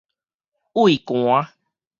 畏寒